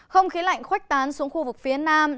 không khí lạnh khoách tán xuống khu vực phía nam